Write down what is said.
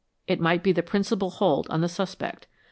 It might be the principal hold on the suspect.